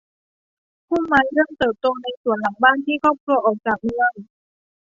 พุ่มไม้เริ่มเติบโตในสวนหลังจากที่ครอบครัวออกจากเมือง